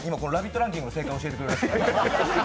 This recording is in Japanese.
ランキングの正解を教えてくれるらしくて。